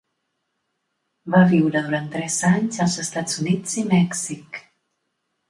Va viure durant tres anys als Estats Units i Mèxic.